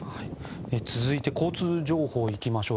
続いて交通情報いきましょう。